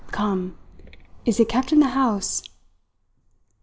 Come! is it kept in the house?"